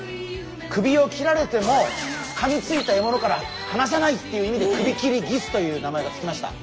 首を切られてもかみついたえものから放さないっていう意味でクビキリギスという名前が付きました。